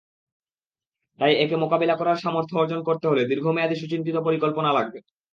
তাই একে মোকাবিলা করার সামর্থ্য অর্জন করতে হলে দীর্ঘমেয়াদি সুচিন্তিত পরিকল্পনা লাগবে।